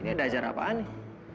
ini ada acara apaan nih